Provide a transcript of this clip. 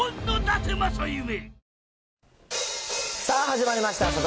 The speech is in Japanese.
さあ、始まりました。